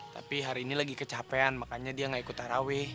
tapi hari ini lagi kecapean makanya dia gak ikut taraweh